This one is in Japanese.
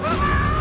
あ！